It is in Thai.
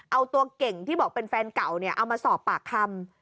เอาตัวเก่งที่บอกเป็นแฟนเก่าเนี่ยเอามาสอบปากคำ